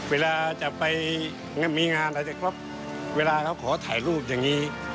เวลาจะไปมีงานเวลาเขาขอถ่ายรูปอย่างนี้